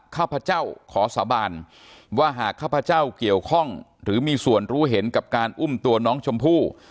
ข้าพเจ้าขอสาบานว่าหากข้าพเจ้าเกี่ยวข้องหรือมีส่วนรู้เห็นกับการอุ้มตัวน้องชมพู่